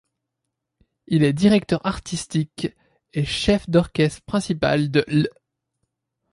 Il est directeur artistique et chef d'orchestre principal de l'.